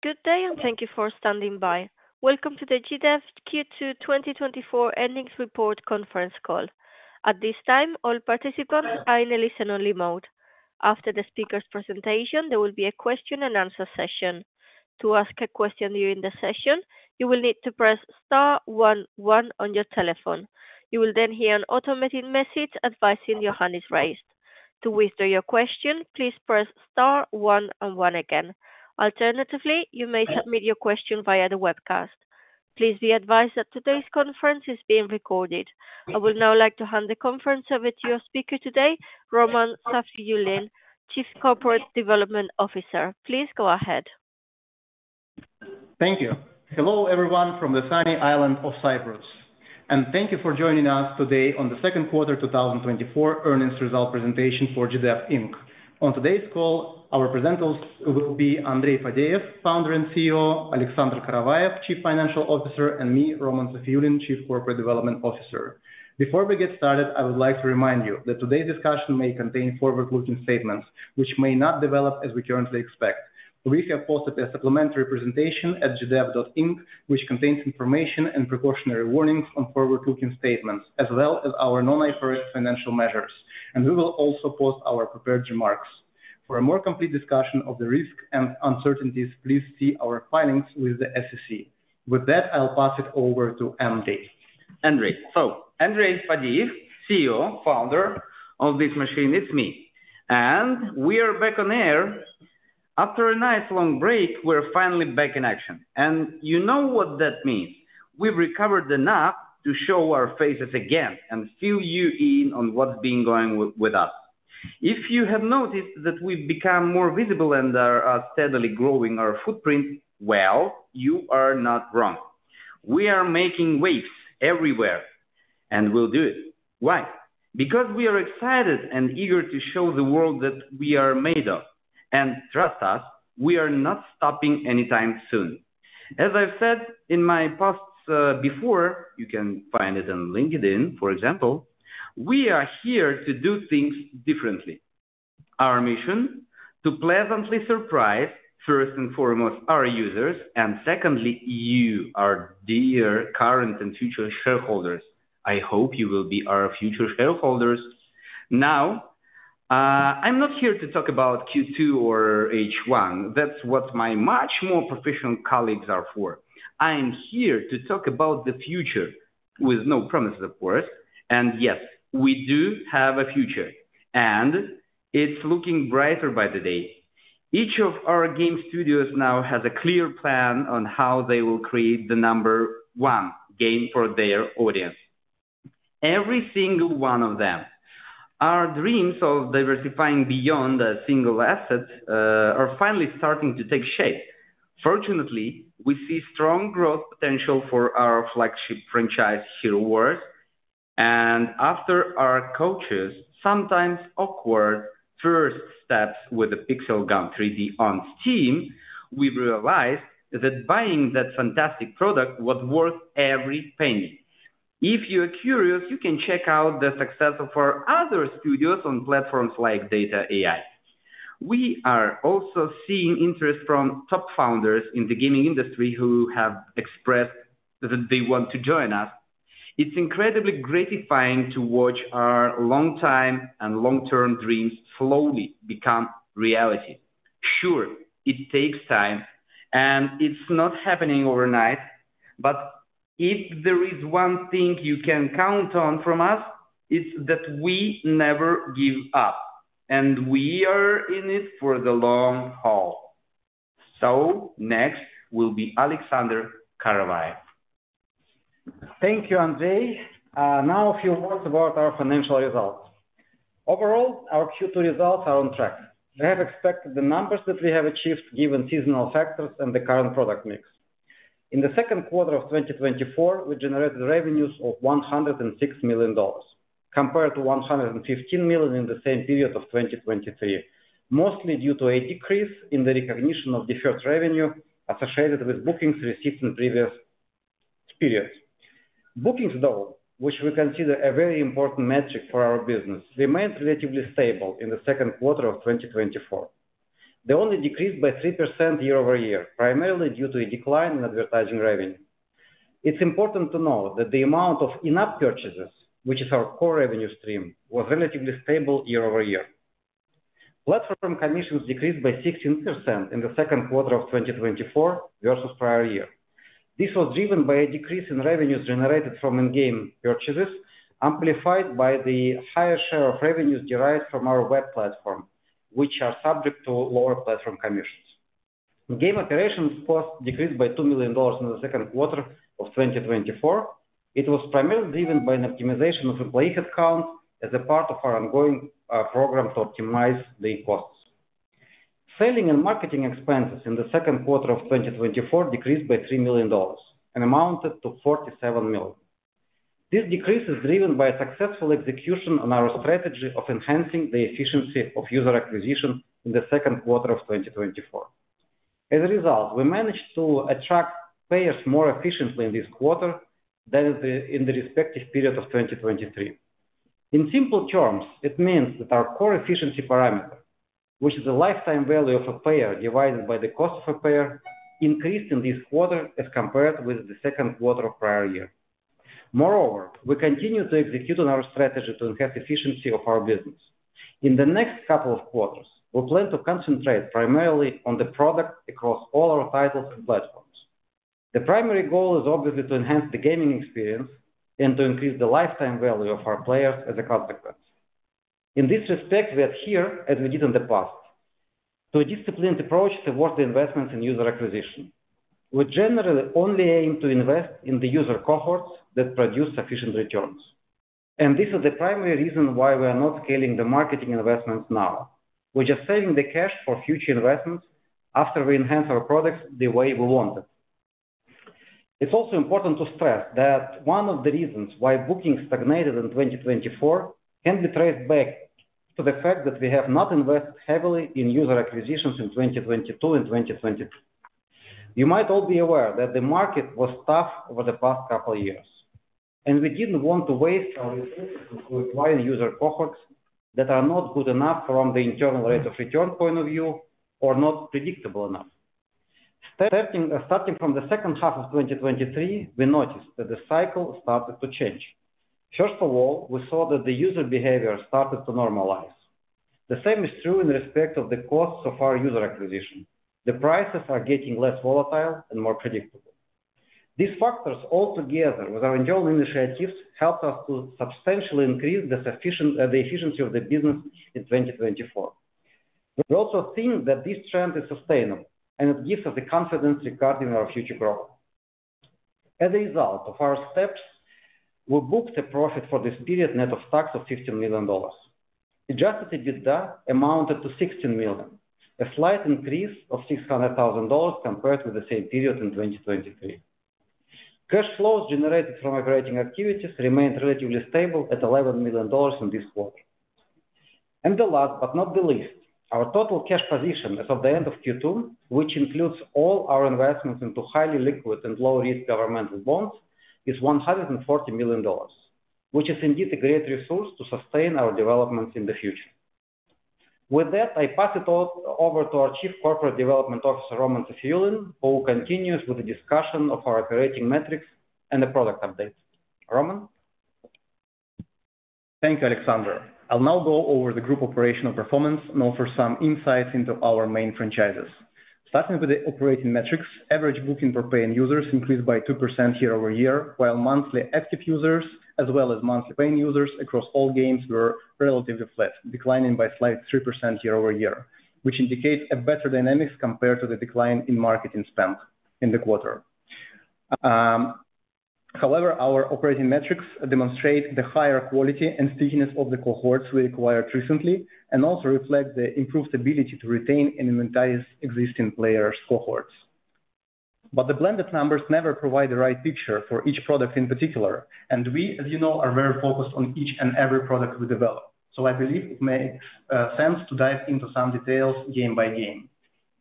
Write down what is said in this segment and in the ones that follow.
Good day, and thank you for standing by. Welcome to the GDEV Q2 2024 earnings report conference call. At this time, all participants are in a listen-only mode. After the speaker's presentation, there will be a question and answer session. To ask a question during the session, you will need to press star one one on your telephone. You will then hear an automated message advising your hand is raised. To withdraw your question, please press star one and one again. Alternatively, you may submit your question via the webcast. Please be advised that today's conference is being recorded. I would now like to hand the conference over to your speaker today, Roman Safiyulin, Chief Corporate Development Officer. Please go ahead. Thank you. Hello, everyone, from the sunny island of Cyprus, and thank you for joining us today on the second quarter, 2024 earnings result presentation for GDEV Inc. On today's call, our presenters will be Andrey Fadeev, Founder and CEO, Alexander Karavaev, Chief Financial Officer, and me, Roman Safiyulin, Chief Corporate Development Officer. Before we get started, I would like to remind you that today's discussion may contain forward-looking statements which may not develop as we currently expect. We have posted a supplementary presentation at GDEV Inc, which contains information and precautionary warnings on forward-looking statements, as well as our non-IFRS financial measures, and we will also post our prepared remarks. For a more complete discussion of the risks and uncertainties, please see our filings with the SEC. With that, I'll pass it over to Andrey. Andrey. Andrey Fadeev, CEO, founder of this machine, it's me, and we are back on air. After a nice long break, we're finally back in action, and you know what that means. We've recovered enough to show our faces again and fill you in on what's been going with us. If you have noticed that we've become more visible and are steadily growing our footprint, well, you are not wrong. We are making waves everywhere, and we'll do it. Why? Because we are excited and eager to show the world that we are made of. And trust us, we are not stopping anytime soon. As I've said in my posts, before, you can find it on LinkedIn, for example, we are here to do things differently. Our mission: to pleasantly surprise, first and foremost, our users, and secondly, you, our dear current and future shareholders. I hope you will be our future shareholders. Now, I'm not here to talk about Q2 or H1. That's what my much more professional colleagues are for. I am here to talk about the future with no promises, of course, and yes, we do have a future, and it's looking brighter by the day. Each of our game studios now has a clear plan on how they will create the number one game for their audience. Every single one of them. Our dreams of diversifying beyond a single asset are finally starting to take shape. Fortunately, we see strong growth potential for our flagship franchise, Hero Wars, and after our cautious, sometimes awkward first steps with the Pixel Gun 3D on Steam, we've realized that buying that fantastic product was worth every penny. If you are curious, you can check out the success of our other studios on platforms like data.ai. We are also seeing interest from top founders in the gaming industry who have expressed that they want to join us. It's incredibly gratifying to watch our longtime and long-term dreams slowly become reality. Sure, it takes time, and it's not happening overnight, but if there is one thing you can count on from us, it's that we never give up, and we are in it for the long haul. So next will be Alexander Karavaev. Thank you, Andrey. Now a few words about our financial results. Overall, our Q2 results are on track. We have expected the numbers that we have achieved given seasonal factors and the current product mix. In the second quarter of 2024, we generated revenues of $106 million compared to $115 million in the same period of 2023, mostly due to a decrease in the recognition of deferred revenue associated with bookings received in previous periods. Bookings, though, which we consider a very important metric for our business, remained relatively stable in the second quarter of 2024. They only decreased by 3% year-over-year, primarily due to a decline in advertising revenue. It's important to note that the amount of in-app purchases, which is our core revenue stream, was relatively stable year-over-year. Platform commissions decreased by 16% in the second quarter of 2024 versus prior year. This was driven by a decrease in revenues generated from in-game purchases, amplified by the higher share of revenues derived from our web platform, which are subject to lower platform commissions. Game operations costs decreased by $2 million in the second quarter of 2024. It was primarily driven by an optimization of employee head count as a part of our ongoing program to optimize the costs. Selling and marketing expenses in the second quarter of 2024 decreased by $3 million and amounted to $47 million. This decrease is driven by a successful execution on our strategy of enhancing the efficiency of user acquisition in the second quarter of 2024. As a result, we managed to attract players more efficiently in this quarter than in the respective periods of 2023. In simple terms, it means that our core efficiency parameter, which is a lifetime value of a player divided by the cost of a player, increased in this quarter as compared with the second quarter of prior year. Moreover, we continue to execute on our strategy to enhance efficiency of our business. In the next couple of quarters, we plan to concentrate primarily on the product across all our titles and platforms. The primary goal is obviously to enhance the gaming experience and to increase the lifetime value of our players as a consequence. In this respect, we are here, as we did in the past, to a disciplined approach toward the investments in user acquisition. We generally only aim to invest in the user cohorts that produce sufficient returns, and this is the primary reason why we are not scaling the marketing investments now. We're just saving the cash for future investments after we enhance our products the way we want it. It's also important to stress that one of the reasons why bookings stagnated in 2024 can be traced back to the fact that we have not invested heavily in user acquisitions in 2022 and 2023. You might all be aware that the market was tough over the past couple of years, and we didn't want to waste our resources to acquire user cohorts that are not good enough from the internal rate of return point of view or not predictable enough. Starting from the second half of 2023, we noticed that the cycle started to change. First of all, we saw that the user behavior started to normalize. The same is true in respect of the costs of our user acquisition. The prices are getting less volatile and more predictable. These factors, all together with our internal initiatives, helped us to substantially increase the efficiency of the business in 2024. We also think that this trend is sustainable, and it gives us the confidence regarding our future growth. As a result of our steps, we booked a profit for this period, net of tax, of $15 million. Adjusted EBITDA amounted to $16 million, a slight increase of $600,000 compared with the same period in 2023. Cash flows generated from operating activities remained relatively stable at $11 million in this quarter. The last but not the least, our total cash position as of the end of Q2, which includes all our investments into highly liquid and low-risk governmental bonds, is $140 million, which is indeed a great resource to sustain our development in the future. With that, I pass it on over to our Chief Corporate Development Officer, Roman Safiyulin, who continues with the discussion of our operating metrics and the product update. Roman? Thank you, Alexander. I'll now go over the group operational performance and offer some insights into our main franchises. Starting with the operating metrics, average booking per paying users increased by 2% year-over-year, while monthly active users, as well as monthly paying users across all games, were relatively flat, declining by a slight 3% year-over-year, which indicates a better dynamics compared to the decline in marketing spend in the quarter. However, our operating metrics demonstrate the higher quality and stickiness of the cohorts we acquired recently, and also reflect the improved ability to retain and monetize existing players' cohorts. But the blended numbers never provide the right picture for each product in particular, and we, as you know, are very focused on each and every product we develop. So I believe it makes sense to dive into some details game by game.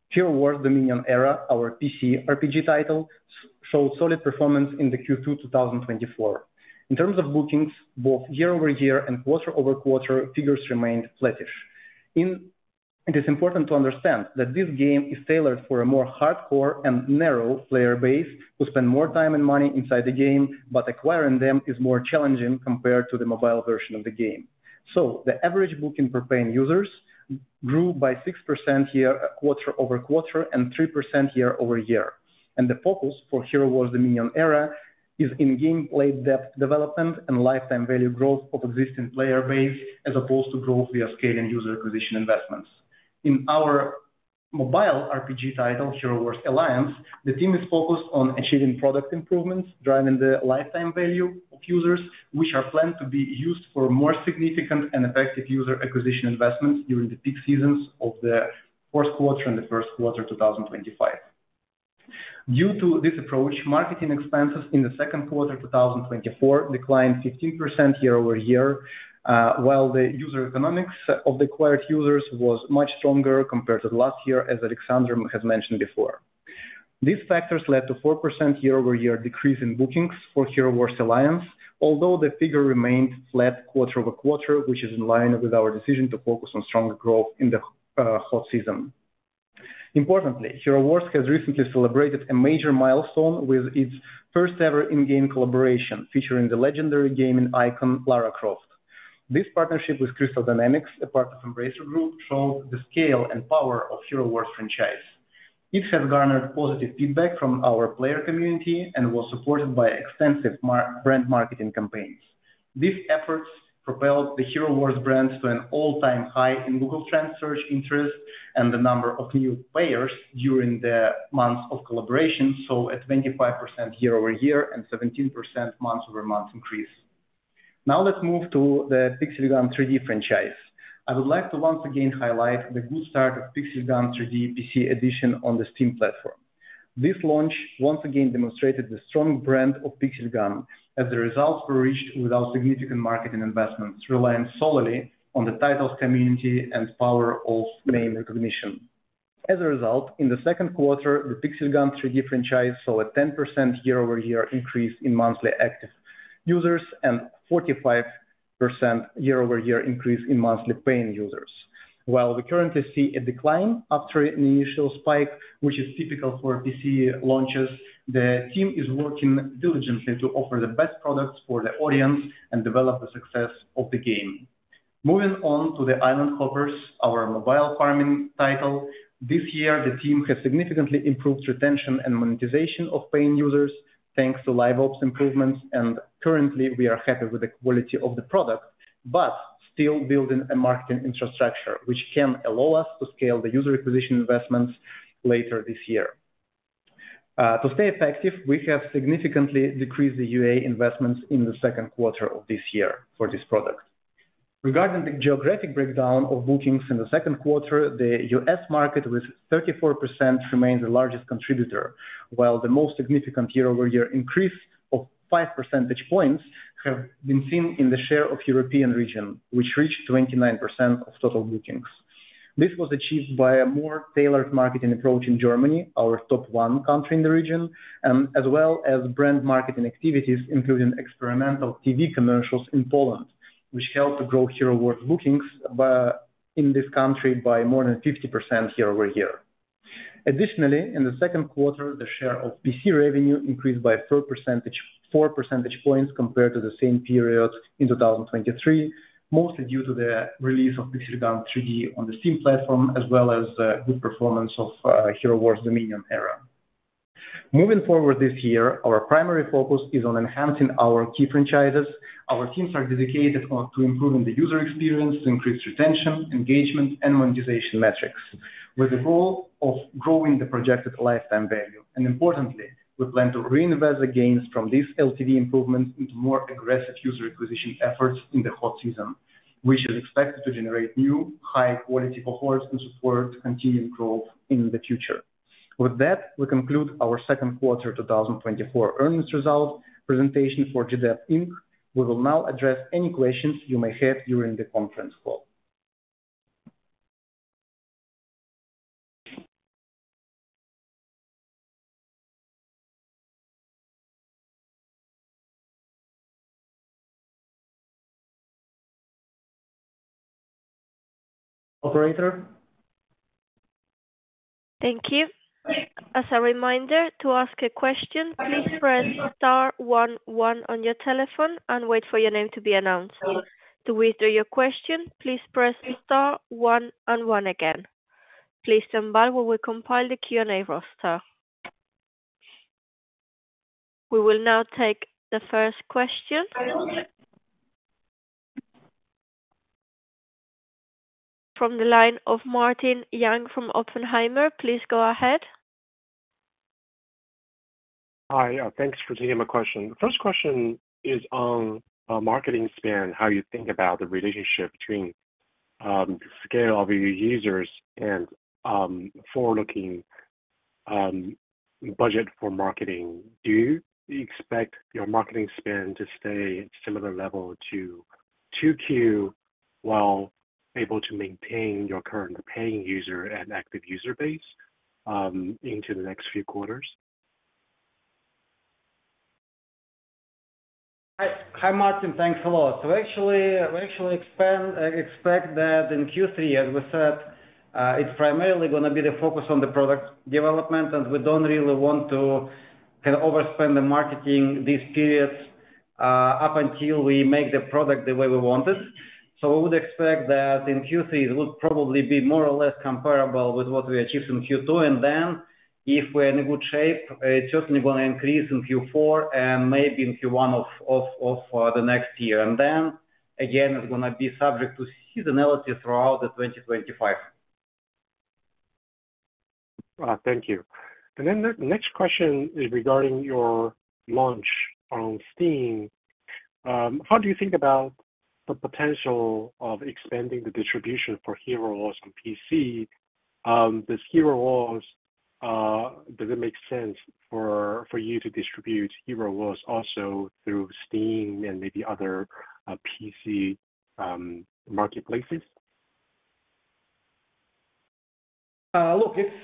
Hero Wars: Dominion Era, our PC RPG title, showed solid performance in the Q2 2024. In terms of bookings, both year-over-year and quarter-over-quarter, figures remained flattish. It is important to understand that this game is tailored for a more hardcore and narrow player base who spend more time and money inside the game, but acquiring them is more challenging compared to the mobile version of the game. So the average booking per paying users grew by 6% quarter-over-quarter, and 3% year-over-year. And the focus for Hero Wars: Dominion Era is in gameplay depth development and lifetime value growth of existing player base, as opposed to growth via scaling user acquisition investments. In our mobile RPG title, Hero Wars: Alliance, the team is focused on achieving product improvements, driving the lifetime value of users, which are planned to be used for more significant and effective user acquisition investments during the peak seasons of the fourth quarter and the first quarter 2025. Due to this approach, marketing expenses in the second quarter 2024 declined 15% year-over-year, while the user economics of the acquired users was much stronger compared to last year, as Alexander has mentioned before. These factors led to 4% year-over-year decrease in bookings for Hero Wars: Alliance, although the figure remained flat quarter-over-quarter, which is in line with our decision to focus on stronger growth in the hot season. Importantly, Hero Wars has recently celebrated a major milestone with its first-ever in-game collaboration, featuring the legendary gaming icon, Lara Croft. This partnership with Crystal Dynamics, a part of Embracer Group, shows the scale and power of Hero Wars franchise. It has garnered positive feedback from our player community and was supported by extensive brand marketing campaigns. These efforts propelled the Hero Wars brand to an all-time high in Google Trends search interest and the number of new players during the months of collaboration, so at 25% year-over-year and 17% month over month increase. Now let's move to the Pixel Gun 3D franchise. I would like to once again highlight the good start of Pixel Gun 3D PC edition on the Steam platform. This launch once again demonstrated the strong brand of Pixel Gun, as the results were reached without significant marketing investments, relying solely on the title's community and power of name recognition. As a result, in the second quarter, the Pixel Gun 3D franchise saw a 10% year-over-year increase in monthly active users, and 45% year-over-year increase in monthly paying users. While we currently see a decline after an initial spike, which is typical for PC launches, the team is working diligently to offer the best products for the audience and develop the success of the game. Moving on to the Island Hoppers, our mobile farming title. This year, the team has significantly improved retention and monetization of paying users, thanks to live ops improvements, and currently we are happy with the quality of the product, but still building a marketing infrastructure, which can allow us to scale the user acquisition investments later this year. To stay effective, we have significantly decreased the UA investments in the second quarter of this year for this product. Regarding the geographic breakdown of bookings in the second quarter, the U.S. market, with 34%, remains the largest contributor, while the most significant year-over-year increase of five percentage points have been seen in the share of European region, which reached 29% of total bookings. This was achieved by a more tailored marketing approach in Germany, our top one country in the region, as well as brand marketing activities, including experimental TV commercials in Poland, which helped to grow Hero Wars bookings in this country by more than 50% year-over-year. Additionally, in the second quarter, the share of PC revenue increased by 4 percentage points compared to the same period in 2023, mostly due to the release of Pixel Gun 3D on the Steam platform, as well as good performance of Hero Wars: Dominion Era. Moving forward this year, our primary focus is on enhancing our key franchises. Our teams are dedicated on to improving the user experience, to increase retention, engagement, and monetization metrics, with the goal of growing the projected lifetime value. And importantly, we plan to reinvest the gains from these LTV improvements into more aggressive user acquisition efforts in the hot season, which is expected to generate new, high-quality cohorts and support continued growth in the future. With that, we conclude our second quarter 2024 earnings result presentation for GDEV Inc. We will now address any questions you may have during the conference call. Operator? Thank you. As a reminder, to ask a question, please press star one one on your telephone and wait for your name to be announced. To withdraw your question, please press star one and one again. Please stand by while we compile the Q&A roster. We will now take the first question. From the line of Martin Yang from Oppenheimer. Please go ahead. Hi, thanks for taking my question. The first question is on marketing spend, how you think about the relationship between scale of your users and forward-looking budget for marketing. Do you expect your marketing spend to stay at similar level to 2Q, while able to maintain your current paying user and active user base into the next few quarters? Hi, hi, Martin. Thanks a lot. Actually, we expect that in Q3, as we said, it's primarily gonna be the focus on the product development, and we don't really want to kind of overspend the marketing these periods up until we make the product the way we want it. So we would expect that in Q3, it would probably be more or less comparable with what we achieved in Q2. Then, if we're in a good shape, it's certainly gonna increase in Q4 and maybe in Q1 of the next year. Then, again, it's gonna be subject to seasonality throughout the 2025. Thank you. Then the next question is regarding your launch on Steam. How do you think about the potential of expanding the distribution for Hero Wars on PC? Does it make sense for you to distribute Hero Wars also through Steam and maybe other PC marketplaces? It's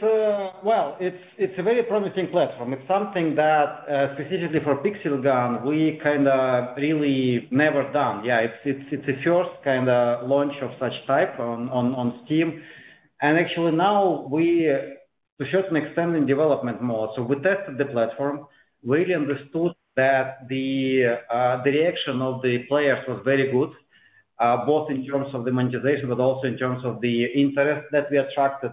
a very promising platform. It's something that, specifically for Pixel Gun, we kinda really never done. Yeah, it's a first launch of such type on Steam. Actually, now we are certainly expanding development more. We tested the platform, really understood that the reaction of the players was very good, both in terms of the monetization, but also in terms of the interest that we attracted.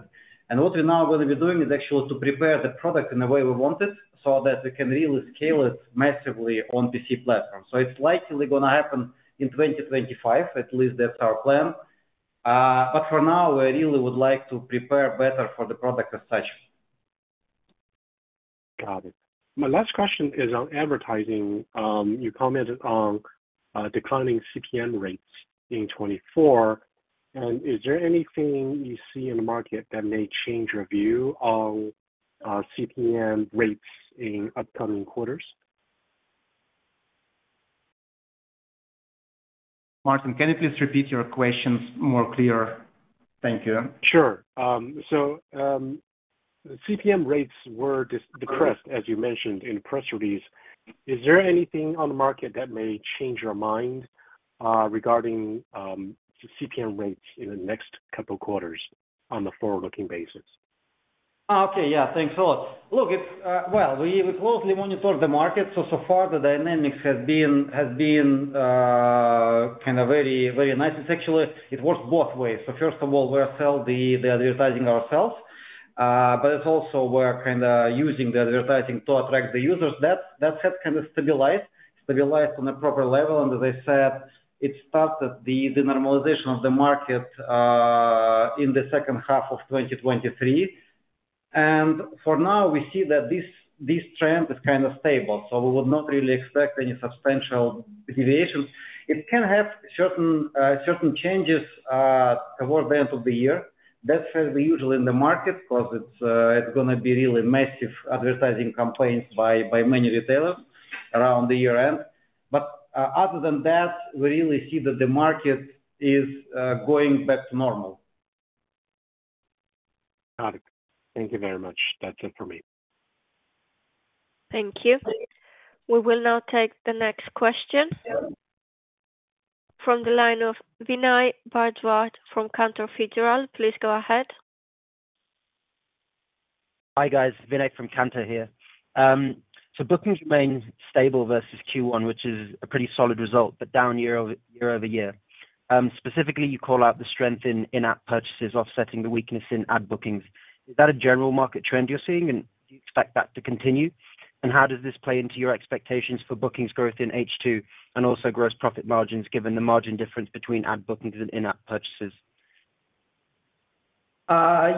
What we're now going to be doing is actually to prepare the product in the way we want it, so that we can really scale it massively on PC platform. It's likely gonna happen in 2025, at least that's our plan. But for now, we really would like to prepare better for the product as such. Got it. My last question is on advertising. You commented on declining CPM rates in 2024, and is there anything you see in the market that may change your view on CPM rates in upcoming quarters? ... Martin, can you please repeat your questions more clear? Thank you. Sure. The CPM rates were depressed, as you mentioned in press release. Is there anything on the market that may change your mind, regarding the CPM rates in the next couple quarters on the forward-looking basis? Ah, okay. Yeah, thanks a lot. Look, it's well, we closely monitor the market, so far the dynamics has been kind of very, very nice. It's actually, it works both ways. So first of all, we are sell the advertising ourselves, but it's also we're kind of using the advertising to attract the users. That has kind of stabilized on a proper level, and as I said, it started the normalization of the market in the second half of 2023. And for now, we see that this trend is kind of stable, so we would not really expect any substantial deviations. It can have certain changes towards the end of the year. That's usually in the market, because it's gonna be really massive advertising campaigns by many retailers around the year end, but other than that, we really see that the market is going back to normal. Got it. Thank you very much. That's it for me. Thank you. We will now take the next question from the line of Vinay Bhardwaj Hi, guys, Vinay from Cantor here. So bookings remain stable versus Q1, which is a pretty solid result, but down year-over-year. Specifically, you call out the strength in in-app purchases, offsetting the weakness in ad bookings. Is that a general market trend you're seeing, and do you expect that to continue? And how does this play into your expectations for bookings growth in H2, and also gross profit margins, given the margin difference between ad bookings and in-app purchases?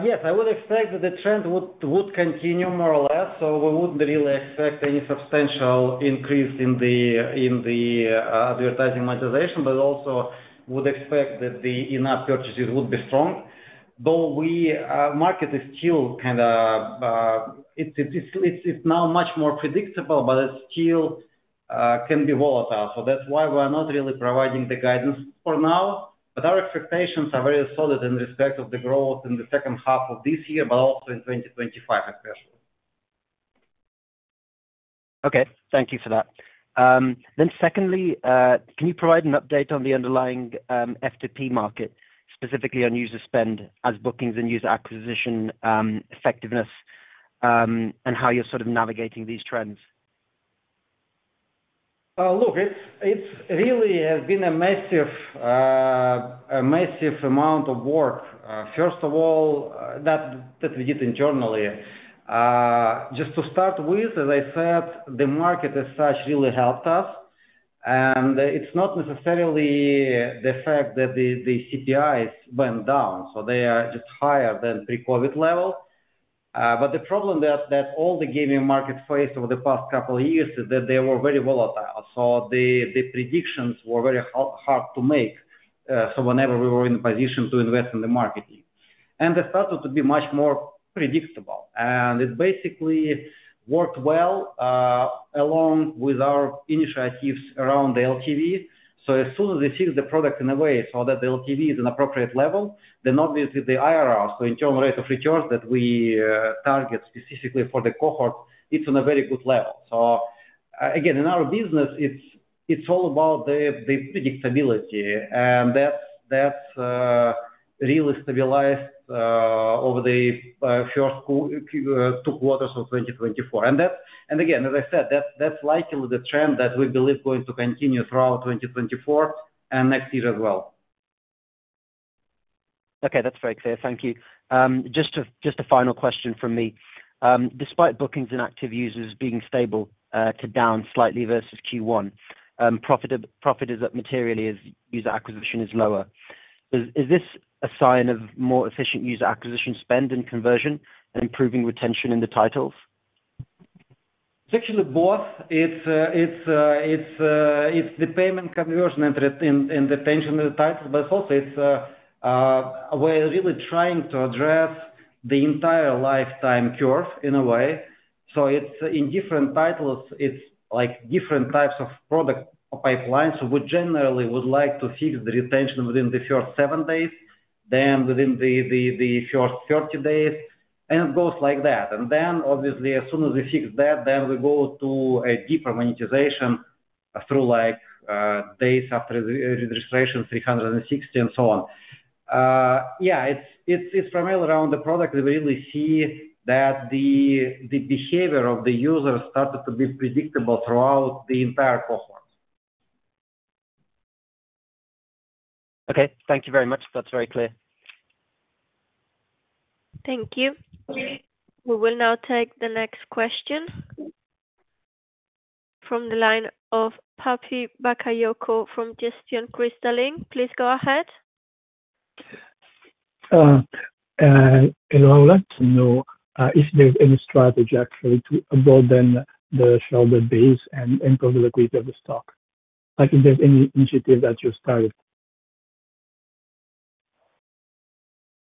Yes, I would expect that the trend would continue more or less, so we wouldn't really expect any substantial increase in the advertising monetization, but also would expect that the in-app purchases would be strong. Though the market is still kind of, it's now much more predictable, but it still can be volatile. So that's why we are not really providing the guidance for now, but our expectations are very solid in respect of the growth in the second half of this year, but also in 2025 especially. Okay, thank you for that, then secondly, can you provide an update on the underlying F2P market, specifically on user spend as bookings and user acquisition effectiveness, and how you're sort of navigating these trends? Look, it's really has been a massive amount of work. First of all, that we did internally. Just to start with, as I said, the market as such really helped us, and it's not necessarily the fact that the CPIs went down, so they are just higher than pre-COVID level, but the problem that all the gaming markets faced over the past couple of years is that they were very volatile, so the predictions were very hard to make, so whenever we were in a position to invest in the marketing, and it started to be much more predictable, and it basically worked well, along with our initiatives around the LTV. As soon as we fix the product in a way so that the LTV is an appropriate level, then obviously the IRR, so internal rate of returns, that we target specifically for the cohort, it's on a very good level. So again, in our business, it's all about the predictability, and that's really stabilized over the first two quarters of 2024. And again, as I said, that's likely the trend that we believe going to continue throughout 2024 and next year as well. Okay, that's very clear. Thank you. Just a final question from me. Despite bookings and active users being stable, to down slightly versus Q1, profit is up materially as user acquisition is lower. Is this a sign of more efficient user acquisition spend and conversion and improving retention in the titles? It's actually both. It's the payment conversion and revenue and the retention of the titles, but also we're really trying to address the entire lifetime curve in a way. So, in different titles, it's like different types of product pipelines. So we generally would like to fix the retention within the first 7 days, then within the first 30 days, and it goes like that. And then, obviously, as soon as we fix that, then we go to a deeper monetization through like days after the registration, 360 and so on. Yeah, it's primarily around the product. We really see that the behavior of the user started to be predictable throughout the entire cohort. Okay, thank you very much. That's very clear. Thank you. We will now take the next question from the line of Papa Bakayoko from Gestion Cristallin. Please go ahead. Hello. I'd like to know if there's any strategy actually to broaden the shareholder base and grow the liquidity of the stock, like if there's any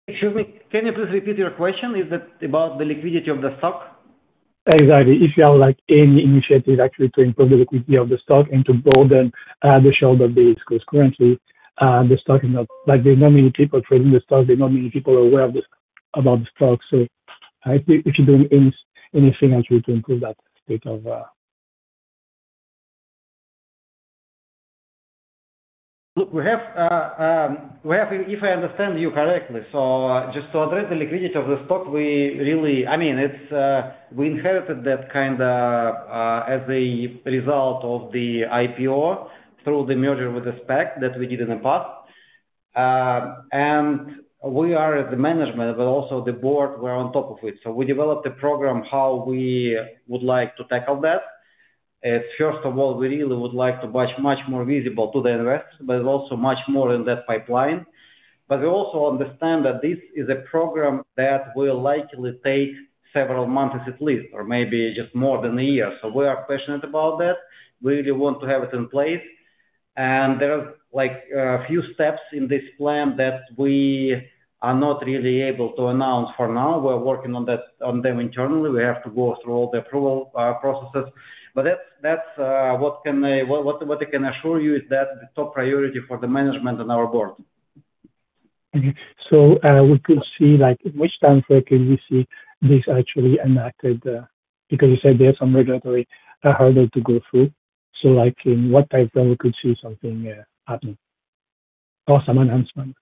initiative that you started?... Excuse me, can you please repeat your question? Is it about the liquidity of the stock? Exactly. If you have, like, any initiative actually to improve the liquidity of the stock and to broaden the shareholder base, because currently the stock is not like there are not many people trading the stock, there are not many people aware of this about the stock. So I think if you do anything actually to improve that state of. Look, if I understand you correctly, so just to address the liquidity of the stock, we really, I mean, it's, we inherited that kinda as a result of the IPO through the merger with the SPAC that we did in the past. And we are as the management, but also the board, we're on top of it. So we developed a program, how we would like to tackle that. First of all, we really would like to be much, much more visible to the investors, but also much more in that pipeline. But we also understand that this is a program that will likely take several months at least, or maybe just more than a year. So we are passionate about that. We really want to have it in place, and there are like a few steps in this plan that we are not really able to announce for now. We're working on that, on them internally. We have to go through all the approval processes, but that's what I can assure you is that the top priority for the management and our board. Okay. So, we could see, like, in which time frame can we see this actually enacted, because you said there's some regulatory hurdle to go through. So, like, in what time frame we could see something happen or some enhancement?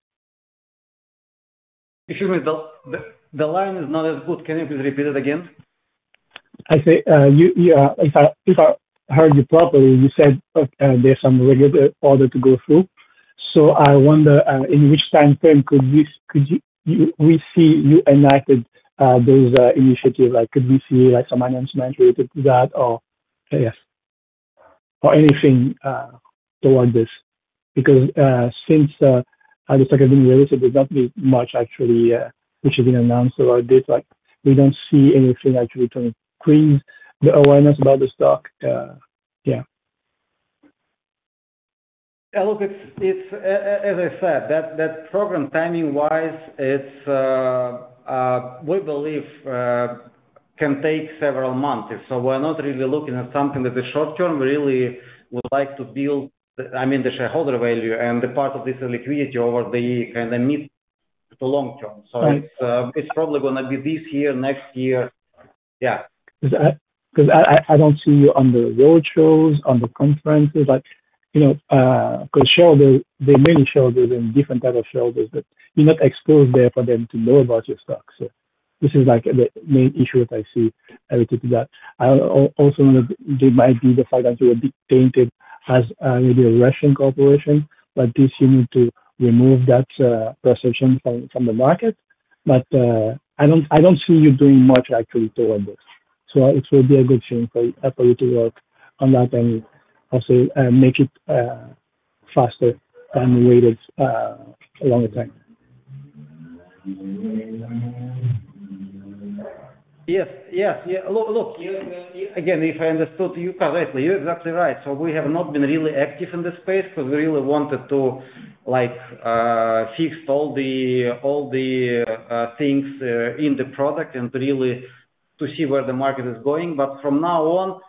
Excuse me, the line is not as good. Can you please repeat it again? If I heard you properly, you said there's some regulatory hurdle to go through, so I wonder in which time frame could we see you enacted those initiatives? Like, could we see, like, some announcement related to that or yes, or anything toward this? Because since the stock has been released, there's not been much actually which has been announced about this. Like, we don't see anything actually to increase the awareness about the stock, yeah. Yeah, look, as I said, that program, timing wise, it's we believe can take several months. So we're not really looking at something that is short term. We really would like to build, I mean, the shareholder value and the part of this liquidity over the kind of mid to long term. Right. So it's probably gonna be this year, next year. Yeah. Because I don't see you on the roadshows, on the conferences, but, you know, because shareholders, there are many shareholders and different type of shareholders, but you're not exposed there for them to know about your stock. So this is like the main issue that I see related to that. Also, there might be the fact that you will be tainted as, maybe a Russian corporation, but this, you need to remove that perception from the market. But, I don't see you doing much actually toward this. So it will be a good thing for you to work on that and also, make it faster than wait a longer time. Yes, yes. Yeah, look, you, again, if I understood you correctly, you're exactly right. So we have not been really active in this space because we really wanted to like fix all the things in the product and really to see where the market is going. But from now on,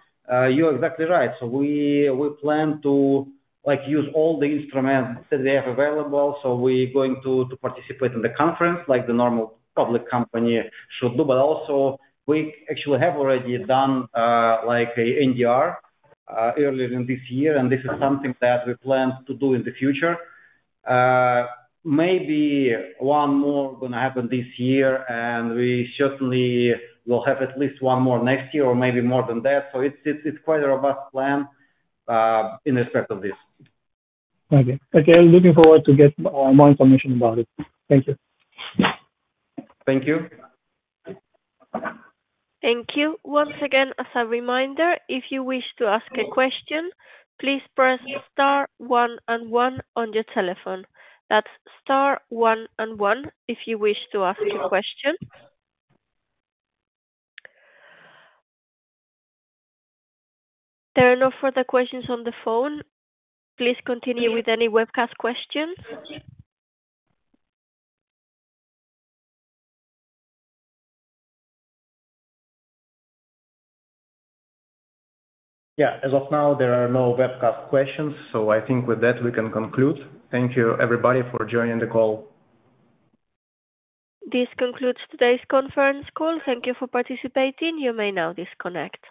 you're exactly right. So we plan to like use all the instruments that we have available. So we're going to participate in the conference, like the normal public company should do. But also we actually have already done like a NDR earlier in this year, and this is something that we plan to do in the future. Maybe one more gonna happen this year, and we certainly will have at least one more next year or maybe more than that. It's quite a robust plan, in respect of this. Okay. Okay, looking forward to get more information about it. Thank you. Thank you. Thank you. Once again, as a reminder, if you wish to ask a question, please press star one and one on your telephone. That's star one and one if you wish to ask a question. There are no further questions on the phone. Please continue with any webcast questions. Yeah. As of now, there are no webcast questions, so I think with that, we can conclude. Thank you, everybody, for joining the call. This concludes today's conference call. Thank you for participating. You may now disconnect.